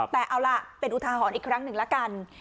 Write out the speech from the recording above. แต่เอาล่ะเป็นอุทาหรณ์อีกครั้งหนึ่งละกัน